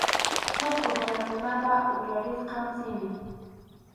Huk runakunapa uyarisqan simi.